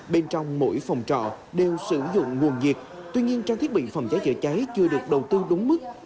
bên trong mỗi phòng trọ đều sử dụng nguồn nhiệt tuy nhiên trang thiết bị phòng cháy chữa cháy chưa được đầu tư đúng mức